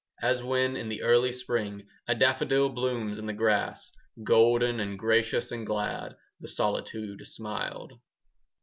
As when, in the early spring, 5 A daffodil blooms in the grass, Golden and gracious and glad, The solitude smiled.